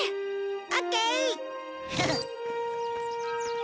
オッケー！